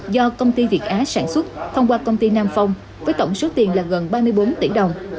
do công ty việt á sản xuất thông qua công ty nam phong với tổng số tiền là gần ba mươi bốn tỷ đồng